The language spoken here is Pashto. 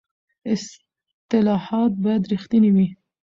اصلاحات باید رښتیني وي